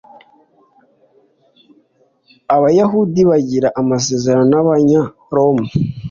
abayahudi bagirana amasezerano n'abanyaroma